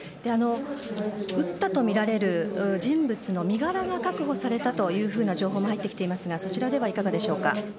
撃ったとみられる人物の身柄が確保されたというふうな情報も入ってきていますがそちらではいかがでしょうか。